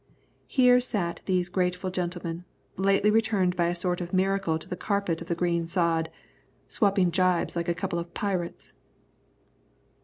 Here sat these grateful gentlemen, lately returned by a sort of miracle to the carpet of the green sod, swapping gibes like a couple of pirates.